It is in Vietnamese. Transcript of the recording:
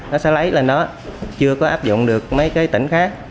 nó sẽ lấy lên đó chưa có áp dụng được mấy cái tỉnh khác